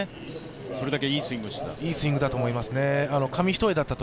それだけいいスイングをしていたと。